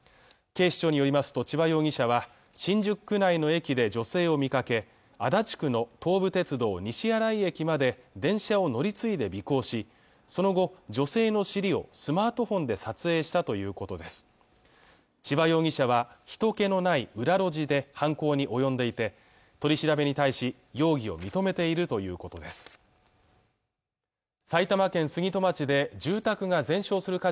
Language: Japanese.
警視庁によりますと千葉容疑者は新宿区内の駅で女性を見かけ足立区の東武鉄道西新井駅まで電車を乗り継いで尾行しその後女性の尻をスマートフォンで撮影したということです千葉容疑者は人気のない裏路地で犯行に及んでいて取り調べに対し容疑を認めているということです